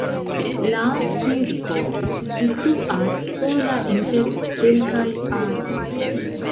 La kirko situas sola inter kelkaj arboj.